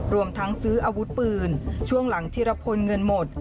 รวมทั้งซื้ออาวุธปืนช่วงหลังธิรพลเงินหมด